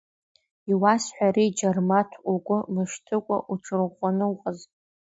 Иуасҳәари, Џьармаҭ, угәы мышьҭыкәа уҽырӷәӷәаны уҟаз.